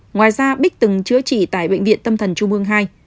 ngoài ra bích từng chữa trị tại bệnh viện tâm thần trung hương ii